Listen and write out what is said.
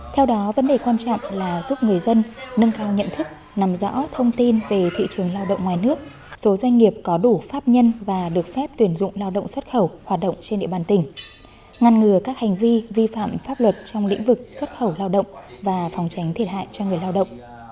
theo đó vấn đề quan trọng là giúp người dân nâng cao nhận thức nằm rõ thông tin về thị trường lao động ngoài nước số doanh nghiệp có đủ pháp nhân và được phép tuyển dụng lao động xuất khẩu hoạt động trên địa bàn tỉnh ngăn ngừa các hành vi vi phạm pháp luật trong lĩnh vực xuất khẩu lao động và phòng tránh thiệt hại cho người lao động